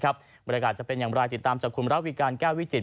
บรรยากาศจะเป็นอย่างไรติดตามจากคุณระวิการแก้ววิจิต